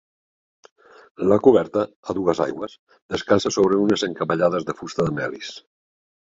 La coberta, a dues aigües, descansa sobre unes encavallades de fusta de melis.